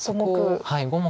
５目。